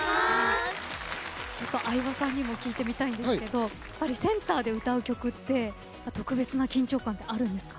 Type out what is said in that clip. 相葉さんにも聞いてみたいんですけどやっぱりセンターで歌う曲って特別な緊張感ってあるんですか？